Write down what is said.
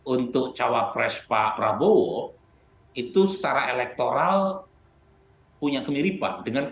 untuk cawapres pak prabowo itu secara elektoral itu bisa berbeda